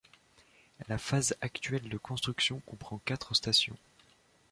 La phase actuelle de construction comprend quatre stations.